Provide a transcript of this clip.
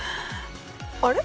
あれ？